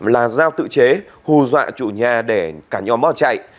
là giao tự chế hù dọa chủ nhà để cả nhóm bỏ chạy